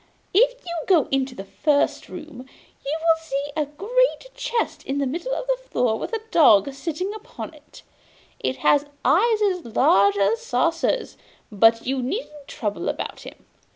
If you go into the first room, you will see a great chest in the middle of the floor with a dog sitting upon it; he has eyes as large as saucers, but you needn't trouble about him.